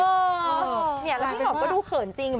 แล้วพี่หอมก็ดูเขินจริง